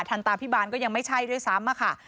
ทันตาพิบาลก็ยังไม่ใช่ด้วยซ้ำอะค่ะ